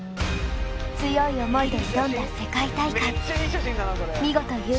強い思いで挑んだ世界大会見事へえ！